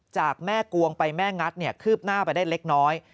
จากแม่กวงไปแม่งัดคืบหน้าไปได้เล็กน้อย